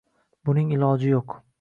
Buning iloji yo'q.